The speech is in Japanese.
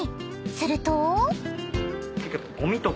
すると］